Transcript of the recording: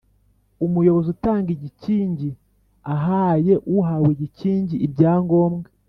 Umuyobozi utanga igikingi, ahaye uhawe igikingi ibyangombwa